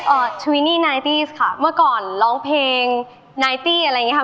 อ่ะทวินี๙๐ค่ะเมื่อก่อนร้องเพลง๙๐อะไรอย่างเงี้ยครับ